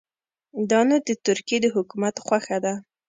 دا نو د ترکیې د حکومت خوښه ده.